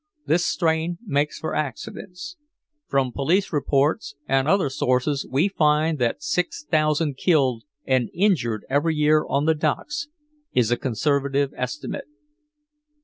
This strain makes for accidents. From police reports and other sources we find that six thousand killed and injured every year on the docks is a conservative estimate.'"